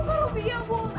itu kalau dia ibu